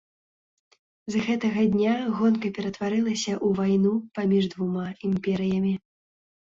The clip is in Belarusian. З гэтага дня гонка ператварылася ў вайну паміж двума імперыямі.